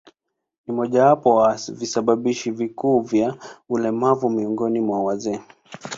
Ni mojawapo ya visababishi vikuu vya ulemavu miongoni mwa wazee.